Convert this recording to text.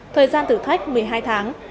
thời gian thử thách một mươi hai tháng